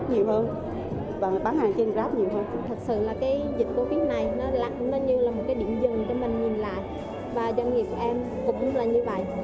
và doanh nghiệp của em cũng là như vậy